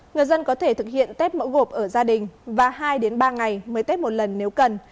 người dân có thể thực hiện tết mẫu gộp ở gia đình và hai ba ngày mới tết một lần nếu cần